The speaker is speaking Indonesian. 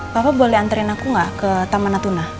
papa boleh anterin aku gak ke taman natuna